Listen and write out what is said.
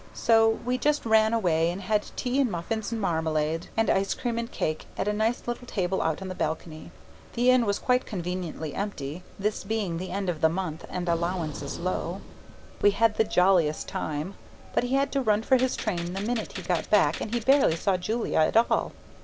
So we just ran away and had tea and muffins and marmalade and ice cream and cake at a nice little table out on the balcony. The inn was quite conveniently empty, this being the end of the month and allowances low. We had the jolliest time! But he had to run for his train the minute he got back and he barely saw Julia at all.